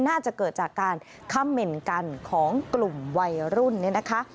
น่าจะเกิดจากการคำเหม็นกันของกลุ่มวัยรุ่นเนี่ยนะคะ